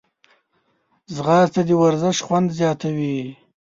ځغاسته د ورزش خوند زیاتوي